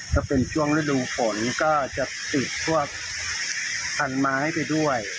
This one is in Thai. จะเป็นช่วงฤดูฝนก็จะติดทั่วพันธุ์ไม้ไปด้วย